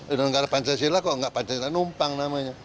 ini negara pancasila kok enggak pancasila numpang namanya